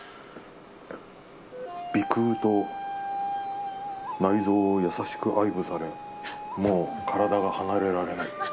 鼻腔と内臓を優しく愛撫されもうカラダが離れられない。